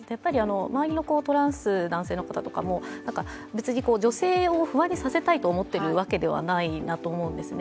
周りのトランス男性の方とかも別に女性を不安にさせたいと思ってるわけではないなと思うんですね。